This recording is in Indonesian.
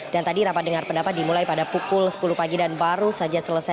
dan tadi rapat dengar pendapat dimulai pada pukul sepuluh pagi dan baru saja selesai